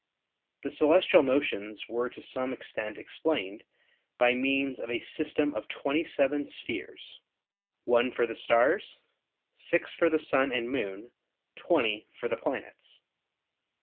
The celestial motions were to some extent explained by means of a system of 27 spheres, 1 for the stars, 6 for the Sun and Moon, 20 for the planets.